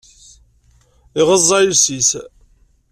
Iɣeẓẓa iles-is.